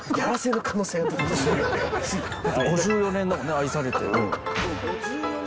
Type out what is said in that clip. だって５４年だもんね愛されて。